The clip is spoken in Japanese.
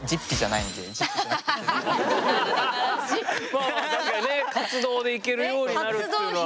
まあ確かにね活動で行けるようになるっていうのは。ね。